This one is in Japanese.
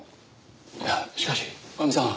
いやしかし女将さん